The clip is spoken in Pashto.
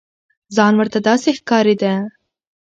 ځان ورته داسې ښکارېده.